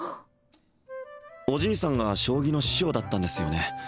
おじいさんが将棋の師匠だったんですよね？